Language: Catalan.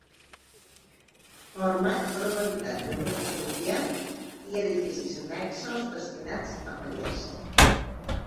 Format per un habitatge unifamiliar i edificis annexos destinats a pallers.